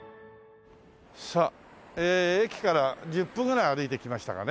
さあ駅から１０分ぐらい歩いてきましたかね。